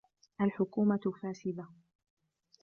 الحكومة فاسدة!